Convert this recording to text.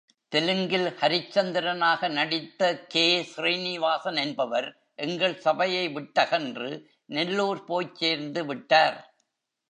தெலுங்கில் ஹரிச்சந்திரனாக நடித்த கே. ஸ்ரீனிவாசன் என்பவர், எங்கள் சபையை விட்டகன்று நெல்லூர் போய்ச் சேர்ந்து விட்டார்.